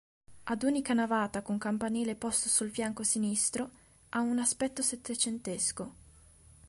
Ad unica navata con campanile posto sul fianco sinistro ha un aspetto settecentesco.